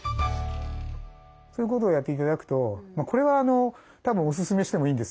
そういうことをやって頂くとこれはたぶんおすすめしてもいいんです。